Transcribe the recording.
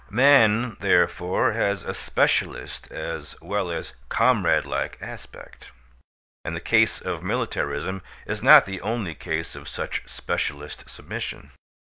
Man, therefore, has a specialist as well as comrade like aspect; and the case of militarism is not the only case of such specialist submission.